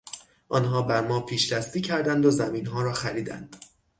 آنها بر ما پیشدستی کردند و زمینها را خریدند.